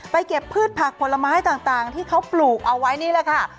เก็บพืชผักผลไม้ต่างที่เขาปลูกเอาไว้นี่แหละค่ะ